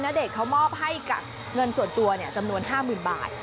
ณเดชนเขามอบให้กับเงินส่วนตัวจำนวน๕๐๐๐บาท